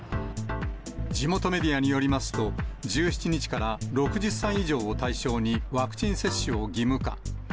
地元メディアによりますと、１７日から、６０歳以上を対象にワクチン接種を義務化。